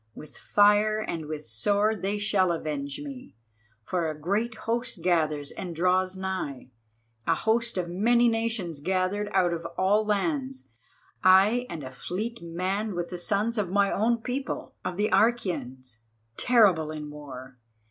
With fire and with sword they shall avenge me, for a great host gathers and draws nigh, a host of many nations gathered out of all lands, ay, and a fleet manned with the sons of my own people, of the Achæans terrible in war.